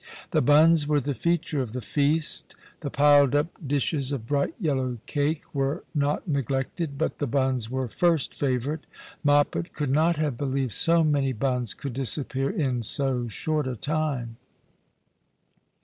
The buns were the feature of the feast. The piled up dishes of bright yellow cake were not neglected ; but the buns were first favourite. Moppet could not have believed so many buns could disappear in so short a time.